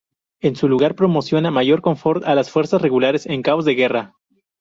En su lugar proporciona mayor confort a las fuerzas regulares en casos de guerra.